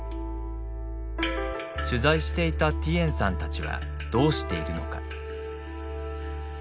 取材していたティエンさんたちはどうしているのか。